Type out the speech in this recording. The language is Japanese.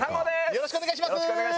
よろしくお願いします。